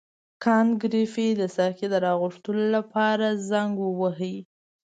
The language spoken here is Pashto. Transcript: کانت ګریفي د ساقي د راغوښتلو لپاره زنګ وواهه.